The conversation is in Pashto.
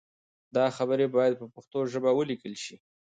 دا خبرې باید په پښتو ژبه ولیکل شي.